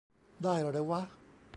ได้เหรอวะ ?